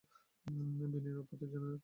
বিনয়ের আপত্তির জন্য কে ভাবছে।